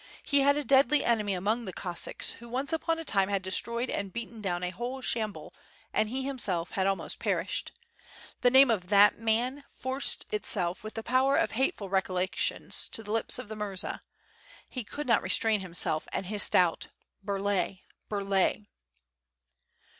He had a deadly enemy among the Cossacks, who once upon a time had destroyed and beaten down a whole chambul and he himself had almost perished. The name of that man forced itself with the power of hateful recollec tions to the lips of the murza; he could not restrain hiniBelf and hissed out "Burlay! Burlay!"